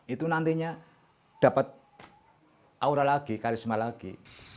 itu nantinya dapat aura lagi karisma lagi